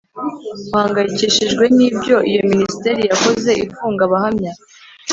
uhangayikishijwe n ibyo iyo minisiteri yakoze ifunga Abahamya